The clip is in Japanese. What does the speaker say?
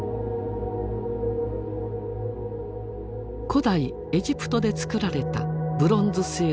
古代エジプトで作られたブロンズ製の猫。